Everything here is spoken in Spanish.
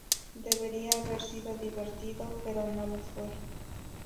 Debería haber sido divertido, pero no lo fue.